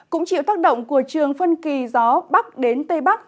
cũng chịu tác động của trường phân kỳ gió bắc đến tây bắc